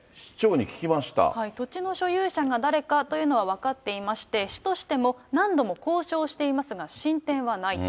土地の所有者が誰かというのは分かっていまして、市としても、何度も交渉していますが、進展はないと。